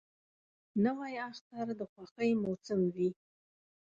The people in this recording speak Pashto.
نوی اختر د خوښۍ موسم وي